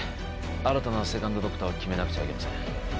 新たなセカンドドクターを決めなくちゃいけません